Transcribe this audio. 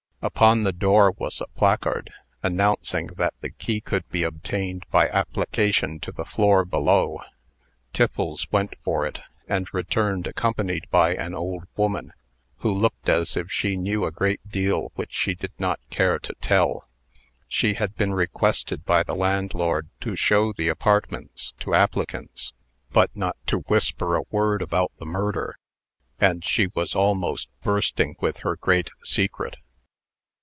Upon the door was a placard, announcing that the key could be obtained by application to the floor below. Tiffles went for it, and returned accompanied by an old woman, who looked as if she knew a great deal which she did not care to tell. She had been requested by the landlord to show the apartments to applicants, but not to whisper a word about the murder; and she was almost bursting with her great secret.